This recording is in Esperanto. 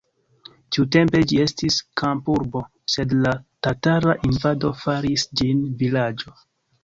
Tiutempe ĝi estis kampurbo, sed la tatara invado faris ĝin vilaĝo.